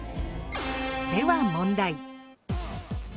では問題。